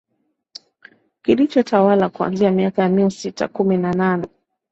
Kilichotawala kuanzia miaka ya mia sita kumi na nane